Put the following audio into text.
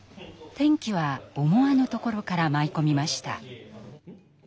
転機は思わぬところから舞い込みました。